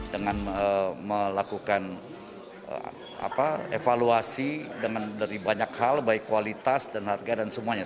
dengan melakukan evaluasi dari banyak hal baik kualitas dan harga dan semuanya